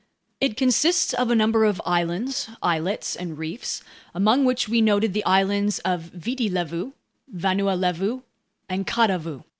It consists of a number of islands, islets, and reefs, among which we noted the islands of Viti Levu, Vanua Levu, and Kadavu.